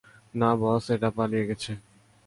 না বস, এটা পালিয়ে গেছে!